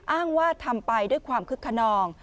อ้างว่าทำไปด้วยความคึกขนอง